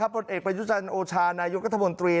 บทเอกประยุจันโอชานายกัธมนตรี